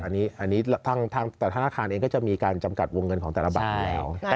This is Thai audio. อันนี้ทางแต่ธนาคารเองก็จะมีการจำกัดวงเงินของแต่ละบัตรอยู่แล้ว